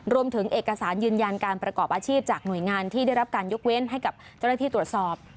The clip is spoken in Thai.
รวมถึงเอกสารยืนยันการประกอบอาชีพจากหน่วยงานที่ได้รับการยกเว้นให้กับเจ้าหน้าที่ตรวจสอบ